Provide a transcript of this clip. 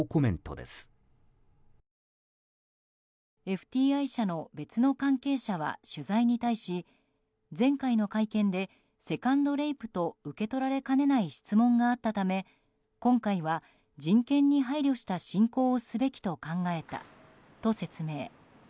ＦＴＩ社の別の関係者は取材に対し前回の会見でセカンドレイプと受け取られかねない質問があったため今回は人権に配慮した進行をすべきと考えたと説明。